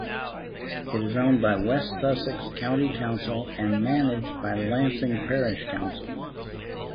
It is owned by West Sussex County Council and managed by Lancing Parish Council.